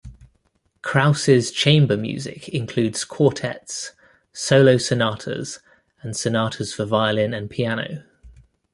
Kraus's chamber music includes quartets, solo sonatas, and sonatas for violin and piano.